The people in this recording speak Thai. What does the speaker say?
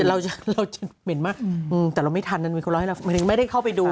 เราจะเหม็นมากแต่เราไม่ทันนั้นมีคนเล่าให้เราไม่ได้เข้าไปดู